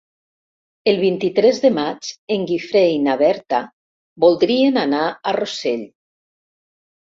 El vint-i-tres de maig en Guifré i na Berta voldrien anar a Rossell.